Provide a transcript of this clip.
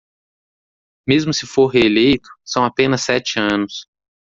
Mesmo se for reeleito, são apenas sete anos.